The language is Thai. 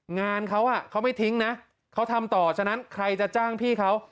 งานเขาเขาไม่ทิ้งนะเขาทำต่อฉะนั้นใครจะจ้างพี่เขา